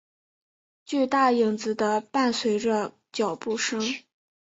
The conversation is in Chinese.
巨大影子的伴随着脚步声。